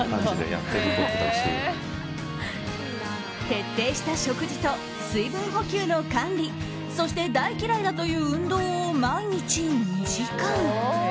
徹底した食事と水分補給の管理そして、大嫌いだという運動を毎日２時間。